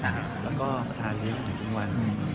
แล้วก็คือประแทนเรียบของช่วงกว่าน